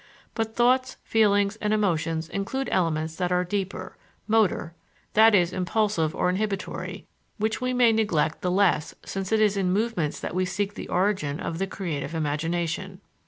But thoughts, feelings, and emotions include elements that are deeper motor, i.e., impulsive or inhibitory which we may neglect the less since it is in movements that we seek the origin of the creative imagination.